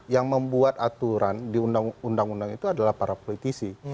yang membuat aturan di undang undang itu adalah para politisi